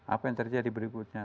apa yang terjadi berikutnya